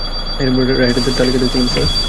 রাইডারদের তালিকা দেখছিলাম, স্যার।